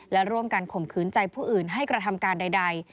และร่วมกันข่มขืนใจผู้อื่นให้กระทำการใด